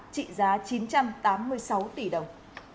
trị giá chín trăm tám mươi sáu tỷ đồng